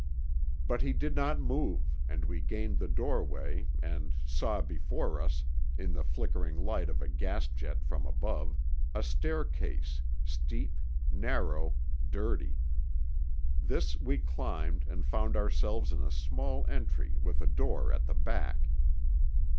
But he did not move and we gained the doorway and saw before us, in the flickering light of a gas jet from above, a staircase, steep, narrow, dirty. This we climbed and found ourselves in a small entry with a door at the back.